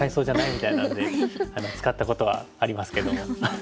みたいなので使ったことはありますけども。